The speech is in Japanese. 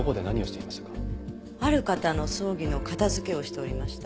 ある方の葬儀の片付けをしておりました。